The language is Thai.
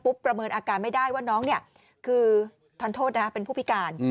ประเมินอาการไม่ได้ว่าน้องเนี่ยคือทันโทษนะเป็นผู้พิการ